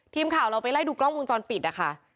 ทีมข่าวเราไปไล่ดูกล้องวงจรปิดนะคะ